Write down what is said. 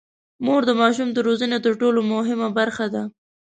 مور د ماشوم د روزنې تر ټولو مهمه برخه ده.